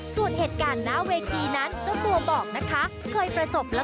ส่วนเหตุการณ์หน้าเวทีนั้นเจ้าตัวบอกนะคะ